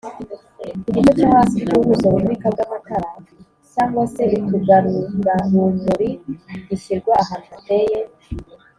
igice cyohasi cy’ubuso bumurika bw’amatara cg se utugarurarumuri gishyirwa ahantu hateye